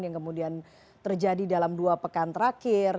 yang kemudian terjadi dalam dua pekan terakhir